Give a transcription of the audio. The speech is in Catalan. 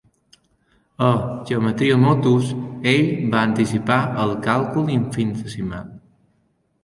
A "Geometria Motus", ell va anticipar el càlcul infinitesimal.